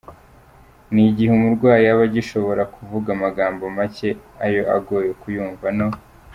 ni igihe umurwayi aba agishobora kuvuga amagambo make ario agoye kuyumva no